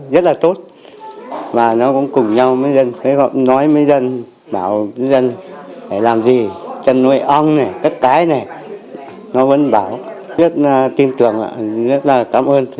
rất là cảm ơn thầy giáo đức